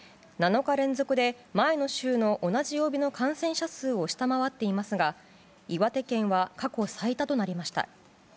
７日連続で、前の週の同じ曜日の感染者数を下回っていますが岩手県は過去最多となりました。